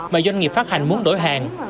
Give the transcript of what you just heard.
mà doanh nghiệp phát hành muốn đổi hàng